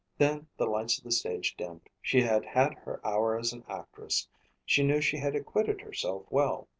Then the lights of the stage dimmed. She had had her hour as an actress; she knew she had acquitted herself well.